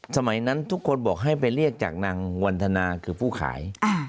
สมัยนั้นทุกคนบอกให้ไปเรียกจากนางวันธนาคือผู้ขาย